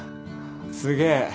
すげえ。